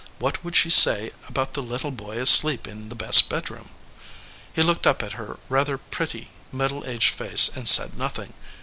What would she say about the little boy asleep in the best bed room? He looked up at her rather pretty middle aged face and said nothing.